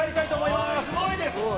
すごいです。